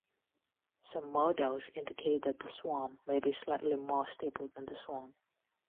Some models indicate that the swarm may be slightly more stable than the swarm.